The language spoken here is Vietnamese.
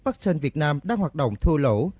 bắc sơn việt nam đang hoạt động thua lỗ